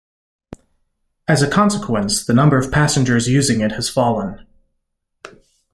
As a consequence, the number of passengers using it has fallen.